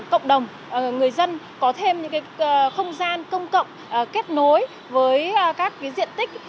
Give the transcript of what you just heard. hội đồng người dân có thêm những cái không gian công cộng kết nối với các cái diện tích